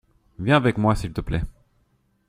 Viens avec moi s’il te plait.